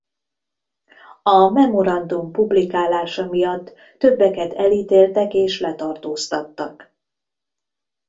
A Memorandum publikálása miatt többeket elítéltek és letartóztattak.